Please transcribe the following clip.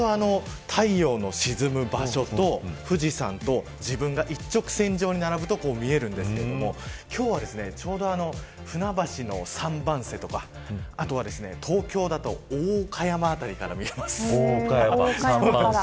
ちょうど太陽の沈む場所と富士山と自分が一直線上に並ぶと見えるんですけど今日はちょうど船橋の三番瀬とか東京だと大岡山辺りからも見えます。